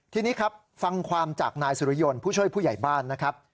ทีนี้ครับฟังความจากนายสุริยนต์ผู้ช่วยผู้ใหญ่บ้านนะครับ